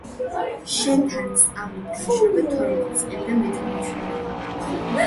შენთან წამით განშორება თორმეტი წელი და მეტი მეჩვენება.